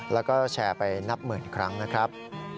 แล้วก็แชร์ไปนับหมื่นครั้งนะครับ